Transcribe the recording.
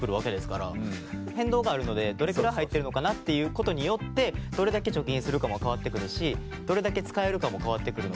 変動があるのでどれくらい入ってるのかなっていう事によってどれだけ貯金するかも変わってくるしどれだけ使えるかも変わってくるので。